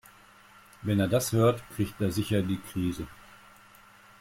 Wenn er das hört, kriegt er sicher die Krise.